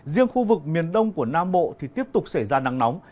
riêng khu vực miền đông của nam bộ thì tiếp tục xảy ra nắng nóng